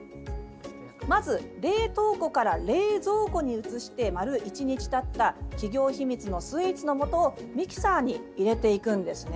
まず、冷凍庫から冷蔵庫に移して丸一日たった企業秘密のスイーツのもとをミキサーに入れていくんですね。